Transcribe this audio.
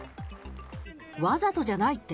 わざとじゃないって？